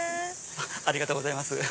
ありがとうございます。